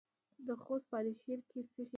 د خوست په علي شیر کې څه شی شته؟